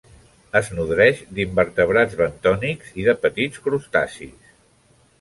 Es nodreix d'invertebrats bentònics i de petits crustacis.